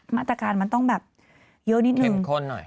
มาตรการมันต้องแบบเยอะนิดนึงเข้มข้นหน่อย